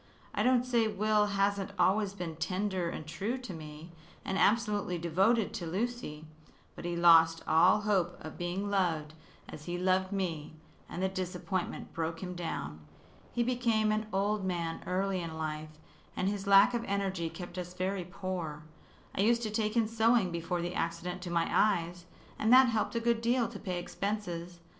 I don't say Will hasn't always been tender and true to me, and absolutely devoted to Lucy. But he lost all hope of being loved as he loved me, and the disappointment broke him down. He became an old man early in life, and his lack of energy kept us very poor. I used to take in sewing before the accident to my eyes, and that helped a good deal to pay expenses.